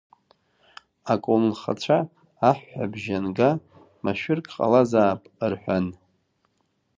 Аколнхацәа, аҳәҳәабжьы анга, машәырк ҟалазаап, — рҳәан…